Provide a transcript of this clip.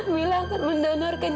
mila akan mendonorkan